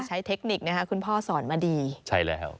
ใช้เทคนิคคุณพ่อสอนมาดี